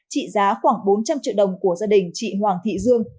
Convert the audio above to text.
trị giá khoảng bốn trăm linh triệu đồng của gia đình chị hoàng thị dương